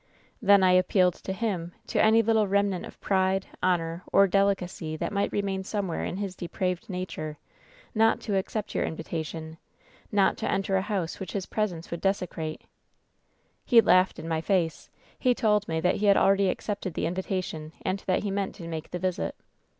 "Then I appealed to him, to any little remnant of pride, honor or delicacy that might remain somewhere in his depraved nature, not to accept your invitation — not to enter a house which his presence would desecrate. «80 WHEN SHADOWS DIE "He laughed in my face ! He told me that he had already accepted the invitation, and that he meant to make the visit.